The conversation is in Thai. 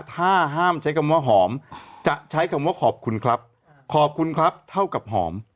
ถ้าห้ามใช้คำว่าหอมจะใช้คำว่าขอบคุณครับขอบคุณครับเท่ากับหอม